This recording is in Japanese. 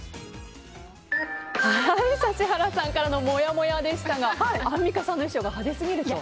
指原さんからのもやもやでしたがアンミカさんの衣装が派手すぎると。